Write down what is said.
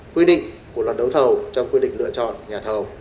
quy định của luật đấu thầu trong quy định lựa chọn nhà thầu